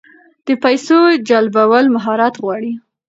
د پیسو جلبول مهارت غواړي.